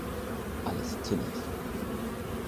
Alles Tinnef!